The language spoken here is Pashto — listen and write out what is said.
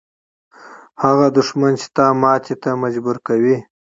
هغه دښمن چې تا ماتې ته مجبوره کوي.